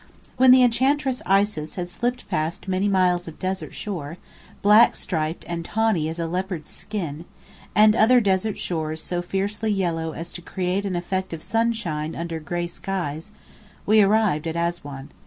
When the Enchantress Isis had slipped past many miles of desert shore, black striped and tawny as a leopard's skin, and other desert shores so fiercely yellow as to create an effect of sunshine under gray skies, we arrived at Assuan.